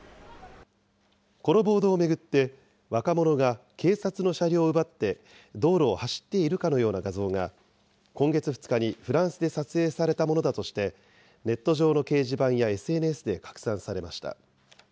この暴動を巡って、若者が警察の車両を奪って道路を走っているかのような画像が、今月２日にフランスで撮影されたものだとして、ネット上の掲示板やＳＮＳで拡散されました。